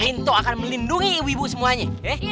into akan melindungi ibu ibu semuanya